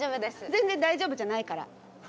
全然大丈夫じゃないから。